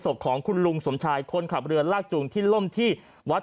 ศพของคุณลุงสมชายคนขับเรือลากจูงที่ล่มที่วัด